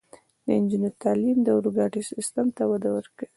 د نجونو تعلیم د اورګاډي سیستم ته وده ورکوي.